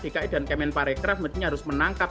dki dan kemenparekraf harus menangkap